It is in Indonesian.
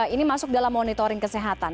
ini masuk dalam monitoring kesehatan